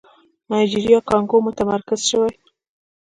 نایجيريا کانګو متمرکز شوی.